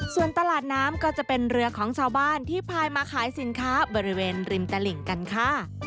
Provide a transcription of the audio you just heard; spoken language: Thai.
ส่วนตลาดน้ำก็จะเป็นเรือของชาวบ้านที่พายมาขายสินค้าบริเวณริมตลิ่งกันค่ะ